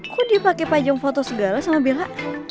kok dia pake pajong foto segala sama bella